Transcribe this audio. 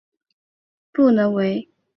能达到这种理想境界便无所不能为。